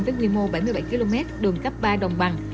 với quy mô bảy mươi bảy km đường cấp ba đồng bằng